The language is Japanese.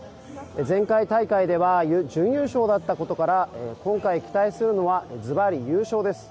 前回大会では準優勝だったことから今回期待するのはずばり優勝です。